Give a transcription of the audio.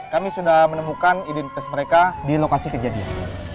kami sudah menemukan identitas mereka di lokasi kejadian